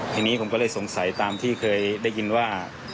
ทีนี้ผมก็เลยสงสัยตามที่เคยได้ยินว่า